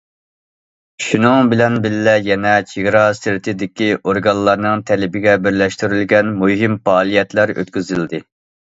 شۇنىڭ بىلەن بىللە يەنە، چېگرا سىرتىدىكى ئورگانلارنىڭ تەلىپىگە بىرلەشتۈرۈلگەن مۇھىم پائالىيەتلەر ئۆتكۈزۈلدى.